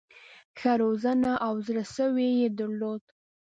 ښه روزنه او زړه سوی یې درلود.